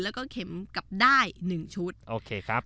แล้วก็เข็มกลับได้หนึ่งชุดโอเคครับ